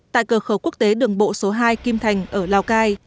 tại cửa khẩu quốc tế đường bộ số hai kim thành ở lào cai